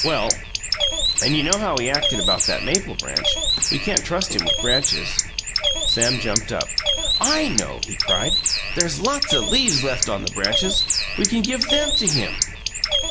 Well, and you know how he acted about that maple branch. We can't trust him with branches." Sam jumped up. "I know!" he cried. "There's lots of leaves left on the branches. We can give them to him."